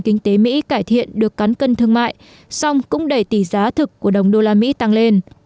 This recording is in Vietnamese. kinh tế mỹ cải thiện được cắn cân thương mại song cũng đẩy tỷ giá thực của đồng usd tăng lên